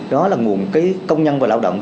đó là nguồn cái công nhân và lạo động